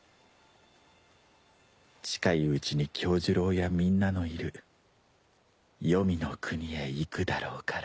近いうちに杏寿郎やみんなのいる黄泉の国へ行くだろうから。